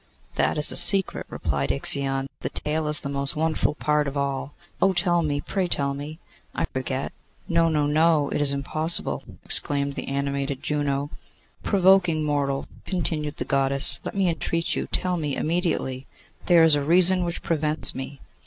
'That is a secret,' replied Ixion. 'The tail is the most wonderful part of all.' 'Oh! tell me, pray tell me!' 'I forget.' 'No, no, no; it is impossible!' exclaimed the animated Juno. 'Provoking mortal!' continued the Goddess. 'Let me entreat you; tell me immediately.' 'There is a reason which prevents me.